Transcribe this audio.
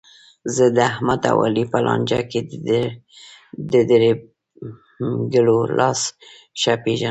زه داحمد او علي په لانجه کې د درېیمګړو لاس ښه پېژنم.